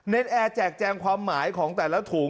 แอร์แจกแจงความหมายของแต่ละถุง